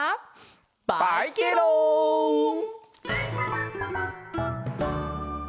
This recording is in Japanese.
バイケロん！